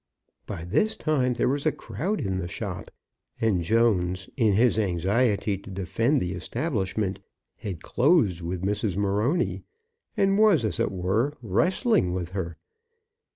By this time there was a crowd in the shop, and Jones, in his anxiety to defend the establishment, had closed with Mrs. Morony, and was, as it were, wrestling with her.